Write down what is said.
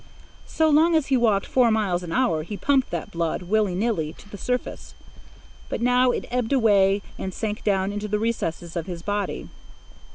So long as he walked four miles an hour, he pumped that blood, willy nilly, to the surface; but now it ebbed away and sank down into the recesses of his body.